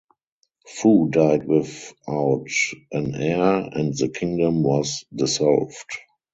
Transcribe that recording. Fu died without an heir and the kingdom was dissolved.